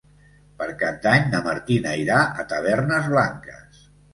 Per Cap d'Any na Martina irà a Tavernes Blanques.